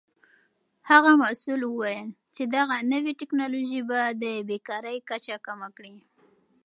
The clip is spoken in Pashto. هغه مسؤل وویل چې دغه نوې تکنالوژي به د بیکارۍ کچه کمه کړي.